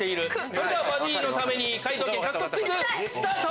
それではバディのために解答権獲得クイズスタート！